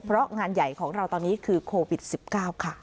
เพราะงานใหญ่ของเราตอนนี้คือโควิด๑๙ค่ะ